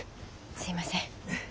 すいません。